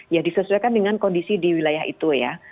ya disesuaikan dengan kondisi di wilayah itu ya